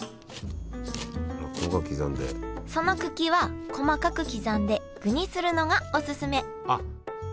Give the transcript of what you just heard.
その茎は細かく刻んで具にするのがオススメあっ